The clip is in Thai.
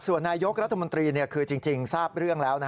ส่วนนายกรัฐมนตรีคือจริงทราบเรื่องแล้ว